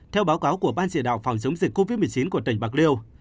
theo báo cáo của ban chỉ đạo phòng chống dịch covid một mươi chín của tỉnh bạc liêu